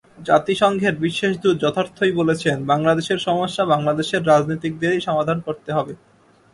জাতিসংঘের বিশেষ দূত যথার্থই বলেছেন, বাংলাদেশের সমস্যা বাংলাদেশের রাজনীতিকদেরই সমাধান করতে হবে।